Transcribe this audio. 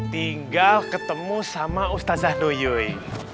tinggal ketemu sama ustazah doyoi